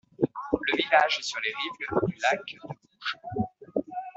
Le village est sur les rives du lac de Buško.